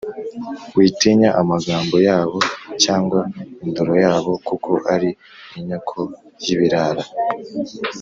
Witinya amagambo yabo cyangwa indoro yabo, kuko ari inyoko y’ibirara